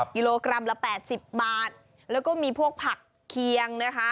กิโลกรัมละ๘๐บาทแล้วก็มีพวกผักเคียงนะคะ